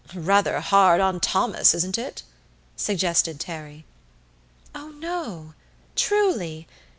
"Rather hard on Thomas, isn't it?" suggested Terry. "Oh, no truly!